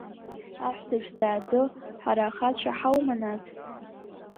Аҳәса шәзааӡо, ҳара ахацәа ҳаума, нас?